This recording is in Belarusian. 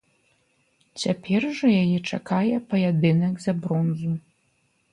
Цяпер жа яе чакае паядынак за бронзу.